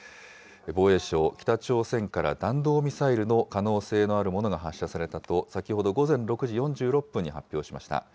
防衛省、北朝鮮から弾道ミサイルの可能性のあるものが発射されたと、先ほど午前６時４６分に発表しました。